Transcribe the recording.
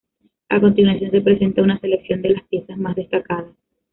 A continuación se presenta una selección de las piezas más destacadas.